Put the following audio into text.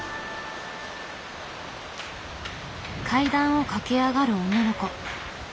階段を駆け上がる女の子。